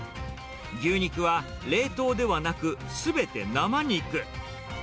牛肉は冷凍ではなく、すべて生肉。